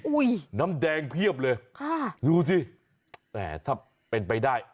อุ้ยน้ำแดงเพียบเลยดูสิแต่ถ้าเป็นไปได้